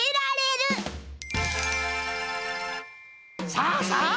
さあさあ